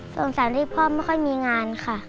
สงสารที่พ่อไม่ค่อยมีงานค่ะ